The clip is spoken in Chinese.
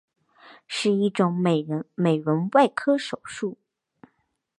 是一种美容外科手术。